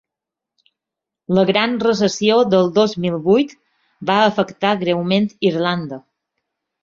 La gran recessió del dos mil vuit va afectar greument Irlanda.